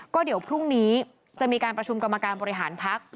ก็เดี๋ยวพรุ่งนี้จะมีการประชุมกรรมการบริหารพัก